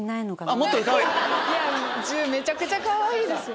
めちゃくちゃかわいいですよ。